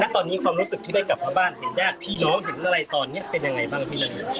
ตอนนี้ความรู้สึกที่ได้กลับมาบ้านเห็นญาติพี่น้องเห็นอะไรตอนนี้เป็นยังไงบ้างพี่นาริน